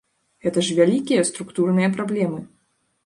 Гэта ж вялікія структурныя праблемы.